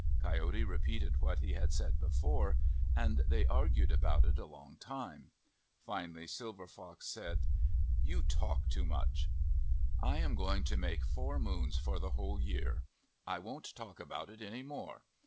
Coyote repeated what he had said before, and they argued 23 MYTHS AND LEGENDS about it a long time. Finally Silver Fox said: "You talk too much! I am going to make four moons for the whole year. I won't talk about it any more.